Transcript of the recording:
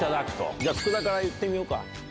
じゃあ、福田からいってみようか。